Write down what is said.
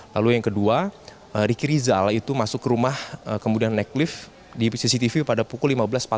lalu yang kedua riki rizal itu masuk ke rumah kemudian naik lift di cctv pada pukul lima belas empat puluh